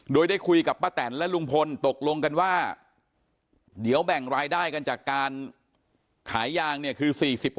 โดยได้คุยกับป้าแตนและลุงพลตกลงกันว่าเดี๋ยวแบ่งรายได้กันจากการขายยางเนี่ยคือ๔๐